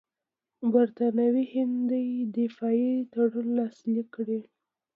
برټانوي هند دې دفاعي تړون لاسلیک کړي.